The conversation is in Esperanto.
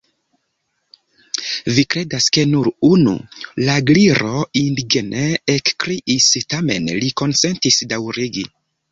"Vi kredas ke nur unu?" la Gliro indigne ekkriis. Tamen li konsentis daŭrigi.